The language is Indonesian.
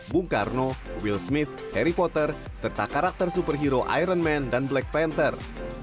bung karno will smith harry potter serta karakter superhero iron man dan black panther